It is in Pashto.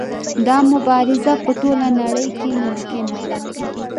دا مبارزه په ټوله نړۍ کې ممکنه ده.